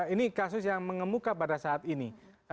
ini kasus yang mengemuka pada saat ini